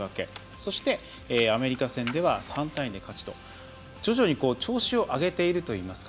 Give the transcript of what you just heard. そして、アメリカ戦では３対２で勝ちと徐々に調子を上げているというか。